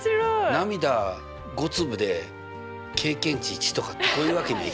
涙５粒で経験値１とかってこういうわけにはいかないからね。